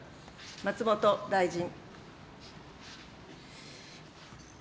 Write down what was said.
松本大臣。